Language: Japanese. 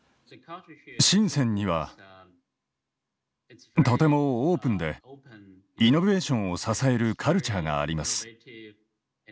深にはとてもオープンでイノベーションを支えるカルチャーがあります。